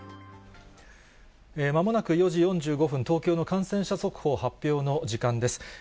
まもなく４時４５分、東京の感染者速報発表の時間です。